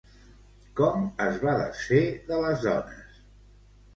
Com es va desfer de les dones?